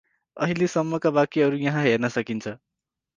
अहिले सम्मका वाक्यहरु यहाँ हेर्न सकिन्छ ।